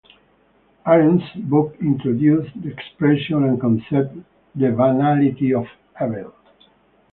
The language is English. Arendt's book introduced the expression and concept "the banality of evil".